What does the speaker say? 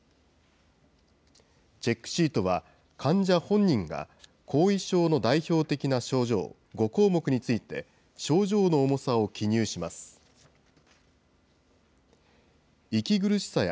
チェックシートは患者本人が後遺症の代表的な症状５項目について、症状の重さを記入します。